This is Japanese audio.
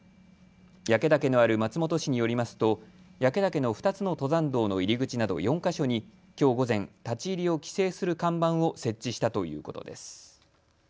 焼岳のある松本市によりますと焼岳の２つの登山道の入り口など４カ所にきょう午前、立ち入りを規制する看板を設置したということです。